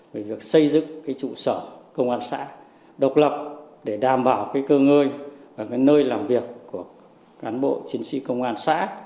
về việc xây dựng trụ sở công an xã độc lập để đảm bảo cơ ngơi và nơi làm việc của cán bộ chiến sĩ công an xã